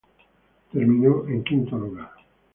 Terminó en quinto lugar.